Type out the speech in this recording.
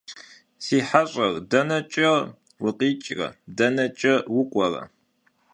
Si heş'er deneç'e vukhiç're, deneç'e vuk'uere?